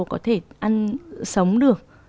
có thể ăn sống được